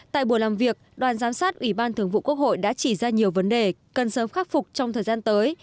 tại buổi làm việc đoàn giám sát ủy ban thường vụ quốc hội đã chỉ ra nhiều vấn đề cần sớm khắc phục trong thời gian tới